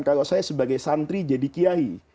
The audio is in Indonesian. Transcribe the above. kalau saya sebagai santri jadi kiai